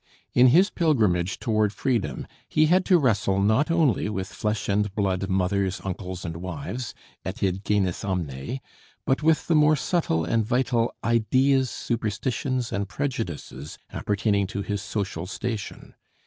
In his pilgrimage toward freedom he had to wrestle not only with flesh and blood mothers, uncles, and wives, et id genus omne, but with the more subtle and vital ideas, superstitions, and prejudices appertaining to his social station.